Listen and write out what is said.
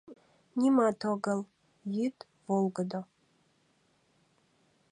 Нимат огыл, йӱд волгыдо.